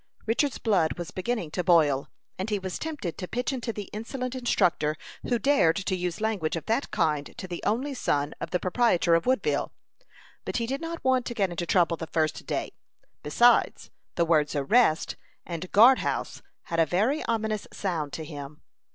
Richard's blood was beginning to boil, and he was tempted to pitch into the insolent instructor who dared to use language of that kind to the only son of the proprietor of Woodville. But he did not want to get into trouble the first day; besides, the words "arrest" and "guard house" had a very ominous sound to him.